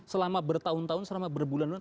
selama bertahun tahun selama berbulan bulan